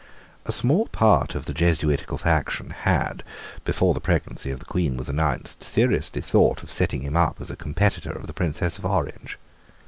A small part of the Jesuitical faction had, before the pregnancy of the Queen was announced, seriously thought of setting him up as a competitor of the Princess of Orange.